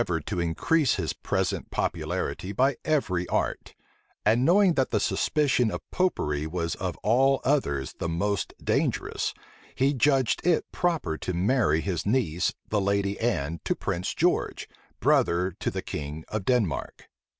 } The king endeavored to increase his present popularity by every art; and knowing that the suspicion of Popery was of all others the most dangerous, he judged it proper to marry his niece, the Lady Anne, to Prince George, brother to the king of Denmark.